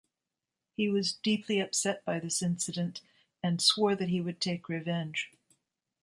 He was deeply upset by this incident and swore that he would take revenge.